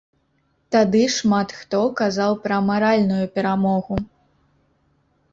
Тады шмат хто казаў пра маральную перамогу.